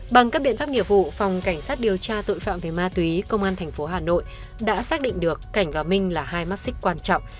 bằng các biện pháp nghiệp vụ phòng cảnh sát điều tra tội phạm về ma túy công an tp hà nội đã xác định được cảnh và minh là hai mắt xích quan trọng